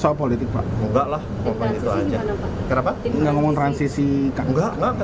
soal politik enggaklah itu aja kenapa enggak ngomong transisi enggak enggak